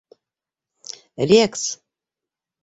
Рекс...